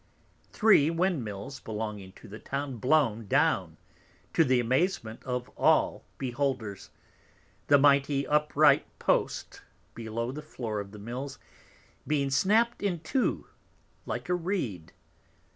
Three Windmills belonging to the Town blown down, to the Amazement of all Beholders; the mighty upright Post below the Floor of the Mills being snapt in two like a Reed.